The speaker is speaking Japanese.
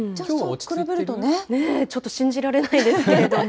ちょっと信じられないですけれども。